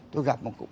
tôi gặp một cụ